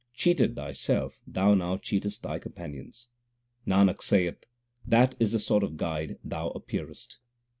Cheated thyself thou now cheatest thy companions. Nanak saith, that is the sort of guide thou appearest